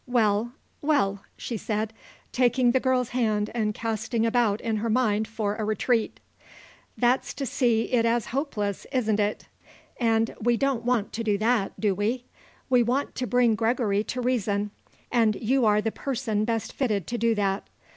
"Well, well," she said, taking the girl's hand and casting about in her mind for a retreat; "that's to see it as hopeless, isn't it, and we don't want to do that, do we? We want to bring Gregory to reason, and you are the person best fitted to do that.